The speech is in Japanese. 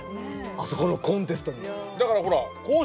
あそこのコンテストに。